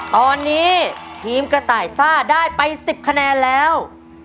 ตอนนี้ทีมกระต่ายซ่าได้ไป๑๐คะแนนแล้ว